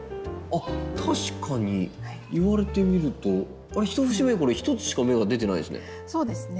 確かに言われてみると１節目は１つしか芽が出てないですね。